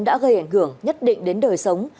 đã gây ảnh hưởng nhất định đến đời sống